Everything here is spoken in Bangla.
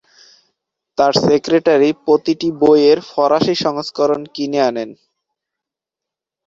তাঁর সেক্রেটারি প্রতিটি বইয়ের ফরাসি সংস্করণ কিনে আনেন।